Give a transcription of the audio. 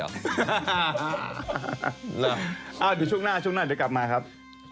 เอ้าเดี๋ยวช่วงหน้าเดี๋ยวกลับมาครับ